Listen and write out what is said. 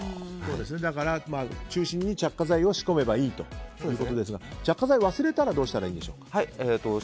だから中心に着火剤を仕込めばいいということですが着火剤忘れたらどうしたらいいんでしょうか？